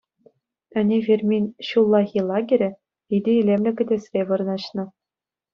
Ӗне фермин «ҫуллахи лагерӗ» питӗ илемлӗ кӗтесре вырнаҫнӑ.